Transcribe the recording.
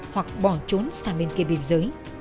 hoặc bỏ trốn sang bên kia biên giới